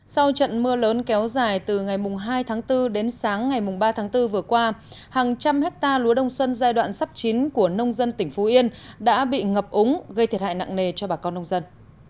sau trận mưa lớn kéo dài từ ngày hai tháng bốn đến sáng ngày ba tháng bốn vừa qua hàng trăm hectare lúa đông xuân giai đoạn sắp chín của nông dân tỉnh phú yên đã bị ngập úng gây thiệt hại nặng nề cho bà con nông dân